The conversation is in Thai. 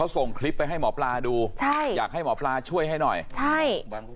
ส่งคลิปไปให้หมอปลาดูใช่อยากให้หมอปลาช่วยให้หน่อยใช่